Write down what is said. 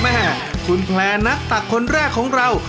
แม่คุณแพลร์นักตักคนแรกของเรา